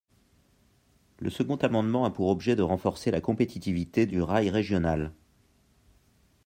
Le second amendement a pour objet de renforcer la compétitivité du rail régional.